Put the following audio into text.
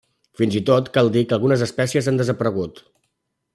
Fins i tot cal dir que algunes espècies han desaparegut.